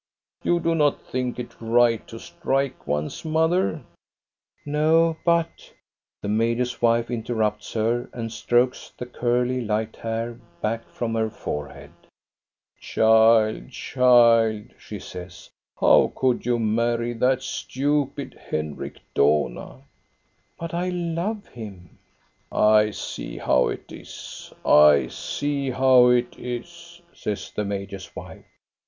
You do not think it right to strike one's mother? *' "No, but —" 1 82 THE STORY OF GOSTA BERLING The major's wife interrupts her and strokes the curly, light hair back from her forehead. " Child, child," she says, " how could you marry that stupid Henrik Dohna?" " But I love him." " I see how it is, I see how it is," says the major's wife.